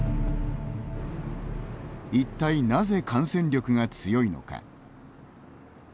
一体なぜ、感染力が強いのか。